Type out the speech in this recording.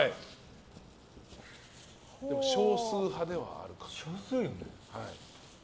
でも少数派ではある。